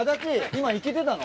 今行けてたの？